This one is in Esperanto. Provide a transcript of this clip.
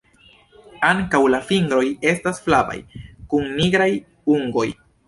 Ankaŭ la fingroj estas flavaj kun nigraj ungoj.